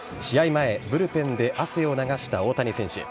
前、ブルペンで汗を流した大谷選手。